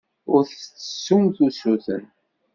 Ur d-tettessumt usuten.